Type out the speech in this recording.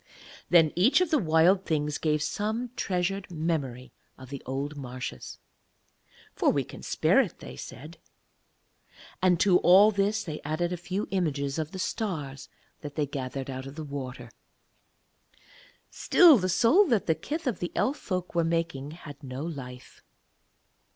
Then each of the Wild Things gave some treasured memory of the old marshes, 'For we can spare it,' they said. And to all this they added a few images of the stars that they gathered out of the water. Still the soul that the kith of the Elf folk were making had no life.